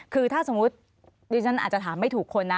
คือถ้าสมมุติดิฉันอาจจะถามไม่ถูกคนนะ